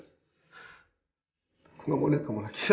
aku gak mau liat kamu lagi ya